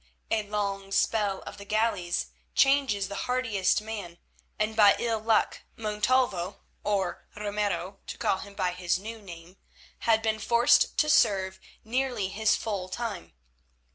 A long spell of the galleys changes the hardiest man, and by ill luck Montalvo, or Ramiro, to call him by his new name, had been forced to serve nearly his full time.